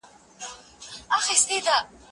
زه بايد کتابتون ته ولاړ سم؟